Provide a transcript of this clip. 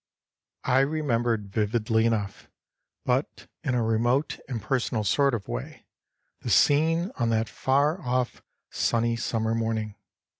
I remembered vividly enough, but in a remote, impersonal sort of way, the scene on that far off sunny summer morning.